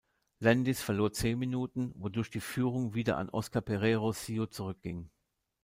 Landis verlor zehn Minuten, wodurch die Führung wieder an Óscar Pereiro Sio zurückging.